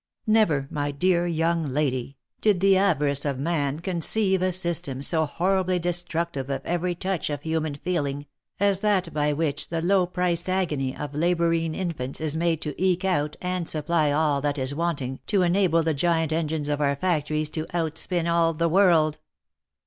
Never, my dear young lady, did the avarice of man conceive a system so horribly de structive of every touch of human feeling, as that by which the low priced agony of labourine infants is made to eke out and supply all that is wanting to enable the giant engines of our factories to out spin all the world